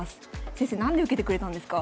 先生何で受けてくれたんですか？